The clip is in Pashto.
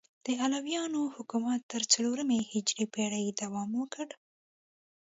د علویانو حکومت تر څلورمې هجري پیړۍ دوام وکړ.